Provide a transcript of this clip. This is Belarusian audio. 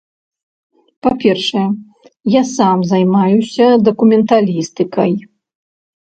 Па-першае, я сам займаюся дакументалістыкай.